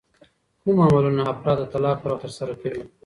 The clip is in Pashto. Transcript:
کوم عملونه افراد د طلاق پر وخت ترسره کوي؟